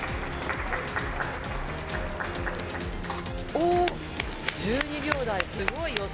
おっ、１２秒台、すごいよ。